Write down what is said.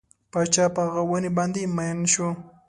پاچا په هغه ونې باندې مین شو.